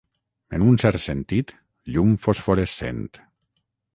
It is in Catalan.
En un cert sentit, llum fosforescent.